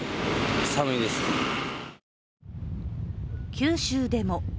九州でも。